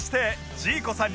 「ジーコさん」